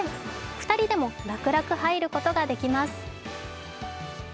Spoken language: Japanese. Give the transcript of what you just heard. ２人でも楽々入ることができます。